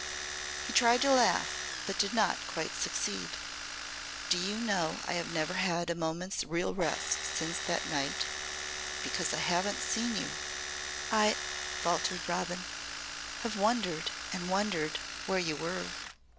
He tried to laugh, but did not quite succeed. "Do you know I have never had a moment's real rest since that night because I haven't seen you." "I " faltered Robin, "have wondered and wondered where you were."